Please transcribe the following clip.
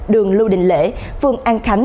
đường lưu đình lễ phường an khánh